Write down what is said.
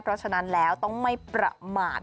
เพราะฉะนั้นแล้วต้องไม่ประมาท